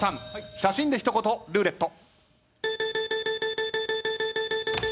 写真で一言ルーレット。